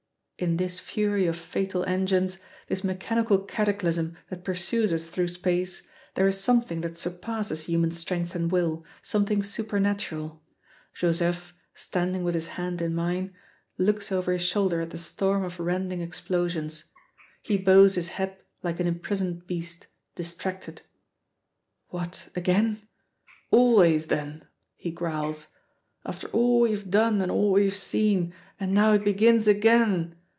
In this fury of fatal engines, this mechanical cataclysm that pursues us through space, there is something that surpasses human strength and will, something supernatural. Joseph, standing with his hand in mine, looks over his shoulder at the storm of rending explosions. He bows his head like an imprisoned beast, distracted: "What, again! Always, then!" he growls; "after all we've done and all we've seen and now it begins again!